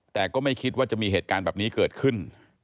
แต่ก็ไม่คิดว่าจะมีเหตุการณ์แบบนี้เกิดขึ้น